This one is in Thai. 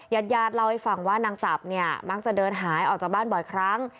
ญาติญาติเล่าให้ฟังว่านางจับเนี่ยมักจะเดินหายออกจากบ้านบ่อยครั้ง